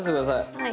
はい。